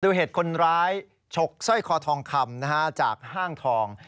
ดูเหตุคนร้ายฉกสร้อยคอทองคำจากห้างทอง